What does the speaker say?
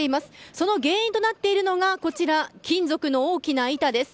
その原因となっているのが金属の大きな板です。